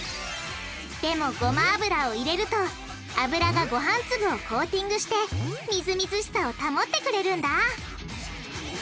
でもごま油を入れると油がごはん粒をコーティングしてみずみずしさを保ってくれるんだ！